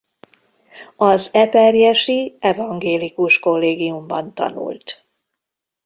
Az eperjesi evangélikus kollégiumban tanult.